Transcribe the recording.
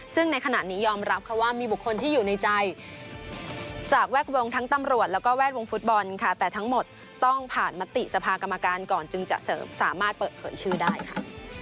ซึ่งในขณะนี้ยอมรับค่ะว่ามีบุคคลที่อยู่ในใจจากแวดวงทั้งตำรวจแล้วก็แวดวงฟุตบอลค่ะแต่ทั้งหมดต้องผ่านมติสภากรรมการก่อนจึงจะสามารถเปิดเผยชื่อได้ค่ะ